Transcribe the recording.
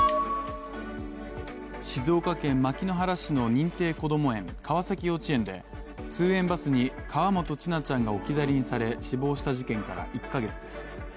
静岡県牧之原市の認定こども園川崎幼稚園で通園バスに河本千奈ちゃんが置き去りにされ死亡した事件から今日で１か月です。